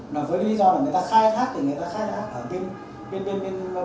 nó với lý do là người ta khai thác thì người ta khai thác ở bên bên bên bờ bên tháng quân